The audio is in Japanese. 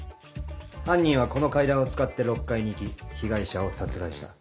犯人はこの階段を使って６階に行き被害者を殺害した。